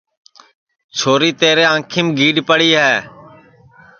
چھوری تیرے انکھیم گیڈؔ پڑی ہے